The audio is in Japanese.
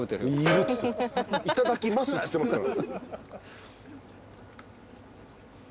「いただきます」っつってますから。